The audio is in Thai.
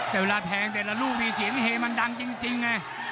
แต่เวลาแทงแต่ละลูกนี่เสียงเฮมันดังจริงไง